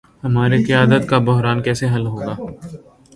ہمارا قیادت کا بحران کیسے حل ہو گا۔